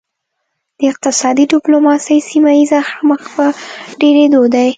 د اقتصادي ډیپلوماسي سیمه ایز اړخ مخ په ډیریدو دی